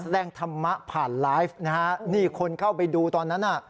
แรงธรรมะผ่านไลฟ์นะฮะนี่คนเข้าไปดูตอนนั้นน่ะ